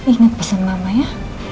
ingat pesan mama ya